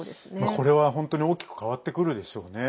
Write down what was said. これは本当に大きく変わってくるでしょうね。